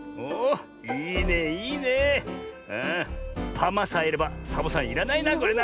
パマさえいればサボさんいらないなこれな。